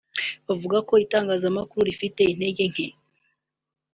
Bavuga ko itangazamakuru rifite intege nke